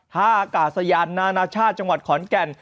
ท่ากาศยานนานาชาติจังหวัดขอนแก่น